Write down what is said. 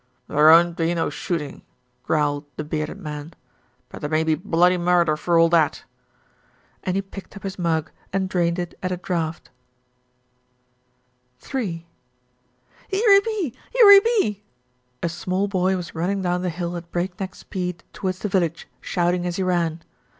"There 'oant be no shootin'," growled the bearded man; "but there may be bloody murder for all that," and he picked up his mug and drained it at a draught. LITTLE BILSTEAD ACHES WITH DRAMA 297 III "Here 'e be! Here 'e be!" A small boy was running down the hill at breakneck speed towards the village, shouting as he ran.